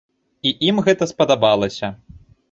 І ім гэта спадабалася!